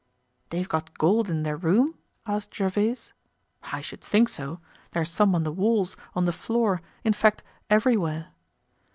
"They've got gold in their room?" asked Gervaise. "I should think so; there's some on the walls, on the floor, in fact everywhere."